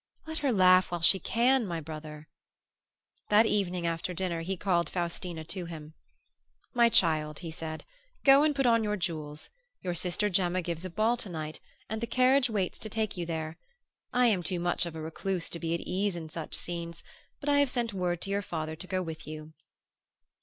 "Let her laugh while she can, my brother." That evening after dinner he called Faustina to him. "My child," he said, "go and put on your jewels. Your sister Gemma gives a ball to night and the carriage waits to take you there. I am too much of a recluse to be at ease in such scenes, but I have sent word to your father to go with you."